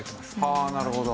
はあなるほど。